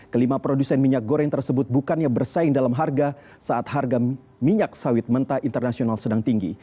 kelima produsen minyak goreng tersebut bukannya bersaing dalam harga saat harga minyak sawit mentah internasional sedang tinggi